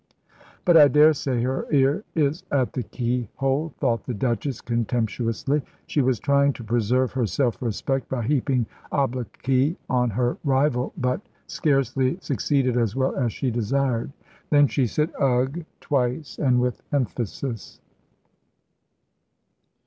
"But I daresay her ear is at the key hole," thought the Duchess, contemptuously. She was trying to preserve her self respect by heaping obloquy on her rival, but scarcely succeeded as well as she desired. Then she said "Ugh!" twice and with emphasis.